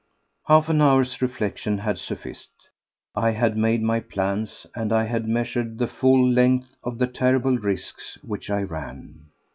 Half an hour's reflection had sufficed. I had made my plans, and I had measured the full length of the terrible risks which I ran.